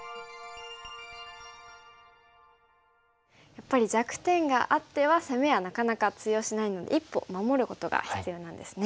やっぱり弱点があっては攻めはなかなか通用しないので一歩守ることが必要なんですね。